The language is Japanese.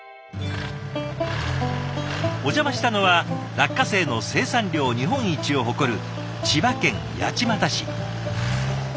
お邪魔したのは落花生の生産量日本一を誇る千葉県八街市。